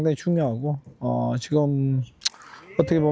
dan berusaha mencapai keuntungan